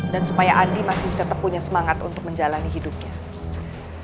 dan supaya andi masih tetep punya semangat untuk menjalani kehamilan kamu